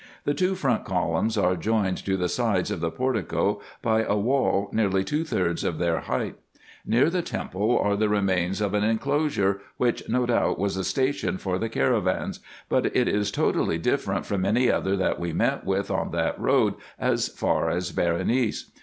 The two front columns are joined to the sides of the portico by a wall nearly two thirds of their height. Near the temple are the remains of an enclosure, which no doubt was a station for the caravans ; but it is totally different from any other that we met with on that road as far as Berenice.